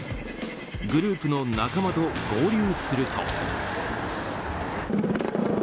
グループの仲間と合流すると。